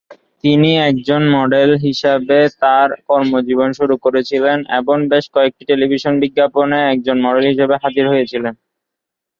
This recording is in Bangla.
তিনি একজন মডেল হিসাবে তাঁর কর্মজীবন শুরু করেছিলেন এবং বেশ কয়েকটি টেলিভিশন বিজ্ঞাপনে একজন মডেল হিসেবে হাজির হয়েছিলেন।